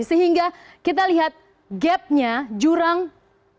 sehingga kita lihat gapnya jurang